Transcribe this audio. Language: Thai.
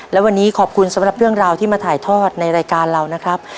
และวันนี้ขอบคุณสำหรับเรื่องราวที่มาถ่ายทอดในรายการเรานะครับ